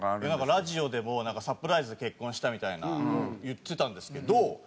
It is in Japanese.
ラジオでもなんかサプライズで「結婚した」みたいな言ってたんですけどいや